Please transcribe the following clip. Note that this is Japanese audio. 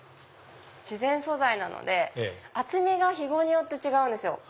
自然素材なので厚みがひごによって違うんですよ。